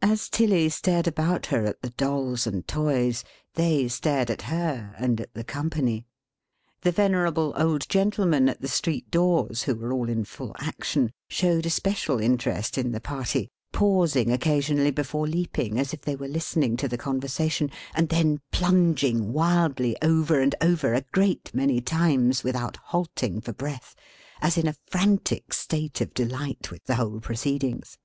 As Tilly stared about her at the Dolls and Toys, they stared at her and at the company. The venerable old gentlemen at the street doors (who were all in full action) showed especial interest in the party: pausing occasionally before leaping, as if they were listening to the conversation: and then plunging wildly over and over, a great many times, without halting for breath, as in a frantic state of delight with the whole proceedings.